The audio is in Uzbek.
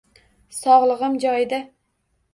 Sog`lig`im joyida